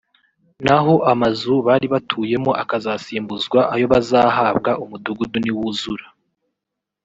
naho amazu bari batuyemo akazasimbuzwa ayo bazahabwa umudugudu niwuzura